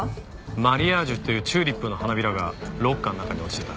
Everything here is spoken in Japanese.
マリアージュっていうチューリップの花びらがロッカーの中に落ちてた。